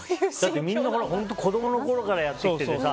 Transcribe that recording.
みんな、子供のころからやってきててさ。